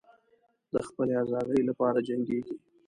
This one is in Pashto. د خپلې آزادۍ لپاره جنګیږي.